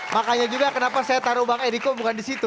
makanya juga kenapa saya taruh bang eriko bukan di situ